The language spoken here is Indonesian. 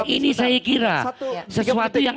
ini saya kira sesuatu yang